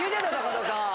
田さん。